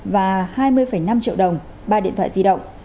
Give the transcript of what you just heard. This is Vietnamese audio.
và hai mươi năm triệu đồng ba điện thoại di động